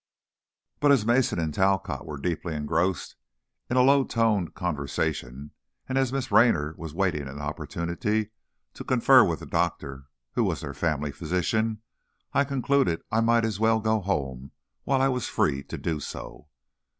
But as Mason and Talcott were deeply engrossed in a low toned conversation and as Miss Raynor was waiting an opportunity to confer with the doctor, who was their family physician, I concluded I might as well go home while I was free to do so.